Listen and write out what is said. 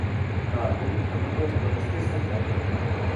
L'album è prodotto dallo stesso interprete.